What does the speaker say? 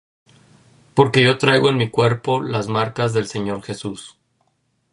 porque yo traigo en mi cuerpo las marcas del Señor Jesús.